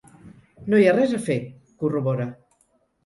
No hi ha res a fer –corrobora–.